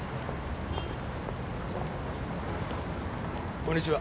こんにちは。